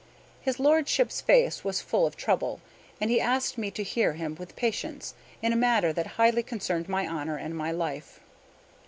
His lordship's face was full of trouble; and he asked me to hear him with patience, in a matter that highly concerned my honor and my life.